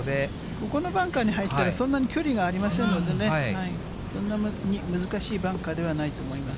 ここのバンカーに入ったら、そんなに距離がありませんのでね、そんなに難しいバンカーではないと思います。